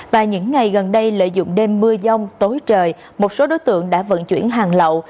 và những ngày gần đây lợi dụng đêm mưa dông tối trời một số đối tượng đã vận chuyển hàng lậu